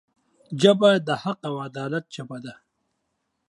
ژبه د حق او عدالت ژبه ده